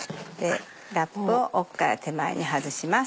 ラップを奥から手前に外します。